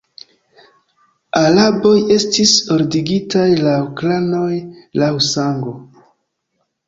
Araboj estis ordigitaj laŭ klanoj, laŭ sango.